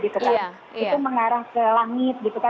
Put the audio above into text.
itu mengarah ke langit